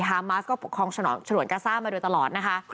ฮามาสก็ปกครองฉลวนกาซ่ามาโดยตลอดนะคะ